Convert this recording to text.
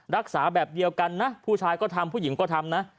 รักษาแบบเดียวกันนะผู้ชายก็ทำผู้หญิงก็ทำนะ